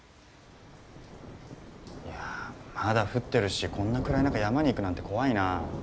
いやまだ降ってるしこんな暗い中山に行くなんて怖いなあ。